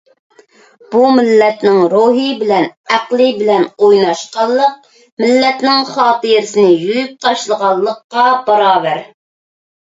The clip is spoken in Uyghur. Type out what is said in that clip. بۇ مىللەتنىڭ روھى بىلەن، ئەقلى بىلەن ئويناشقانلىق، مىللەتنىڭ خاتىرىسىنى يۇيۇپ تاشلىغانلىققا باراۋەر.